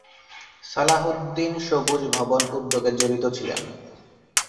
সালেহ উদ্দিন সবুজ ভবন উদ্যোগে জড়িত ছিলেন।